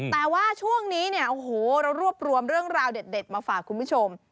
แต่ว่าช่วงนี้เนี่ยโอ้โหเรารวบรวมเรื่องราวเด็ดมาฝากคุณผู้ชม